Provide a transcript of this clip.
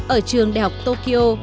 ở trường đại học tokyo